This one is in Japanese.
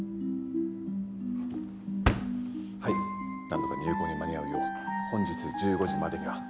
なんとか入稿に間に合うよう本日１５時までには。